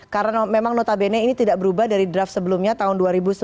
karena memang notabene ini tidak berubah dari draft sebelumnya tahun dua ribu sembilan belas